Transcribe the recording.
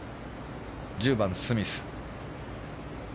１０番、スミス。